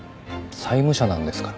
債務者なんですから。